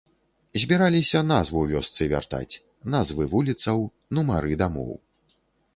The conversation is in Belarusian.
Збіраліся назву вёсцы вяртаць, назвы вуліцаў, нумары дамоў.